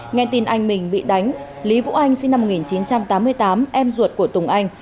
nghe tin anh mình bị đánh lý vũ anh sinh năm một nghìn chín trăm tám mươi tám em ruột của tùng anh